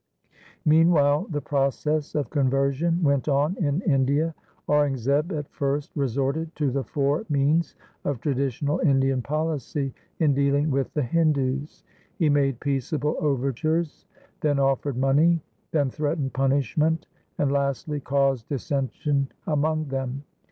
Meanwhile the process of conversion went on in India. Aurangzeb at first resorted to the four means of traditional Indian policy in dealing with the Hindus. He made peaceable overtures, then offered money, then threatened punishment, and lastly caused dissension among them.